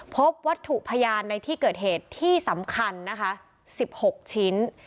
พบวัตถุพยานในที่เกิดเหตุที่สำคัญนะคะ๑๖ชิ้น